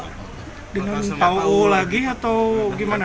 dengan tahu lagi atau gimana